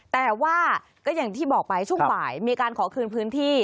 แต่ว่าก็อย่างที่บอกไปช่วงบ่ายมีการขอคืนพื้นที่